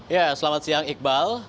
ya selamat siang iqbal